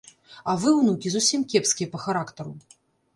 А вы, унукі, зусім кепскія па характару.